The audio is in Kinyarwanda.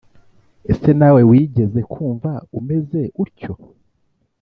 Ese nawe wigeze kumva umeze utyo